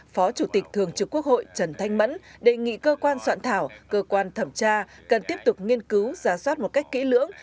phó chủ tịch thường trực quốc hội trần thanh mẫn đề nghị cơ quan soạn thảo cơ quan thẩm tra cần tiếp tục nghiên cứu giả soát một cách kỹ lưỡng